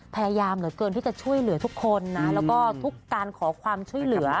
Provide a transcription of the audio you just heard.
พยายามเหลือเกินที่จะช่วยเหลือทุกคนนะแล้วก็ทุกการขอความช่วยเหลือ